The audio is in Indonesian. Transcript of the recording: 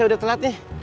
iya udah telat nih